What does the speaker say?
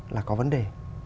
là có vấn đề